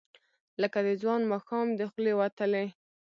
لکه د ځوان ماښام، د خولې وتلې،